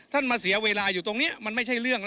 มาเสียเวลาอยู่ตรงนี้มันไม่ใช่เรื่อง